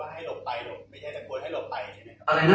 ไม่ได้ตะโกนให้หลบไปใช่ไหมครับ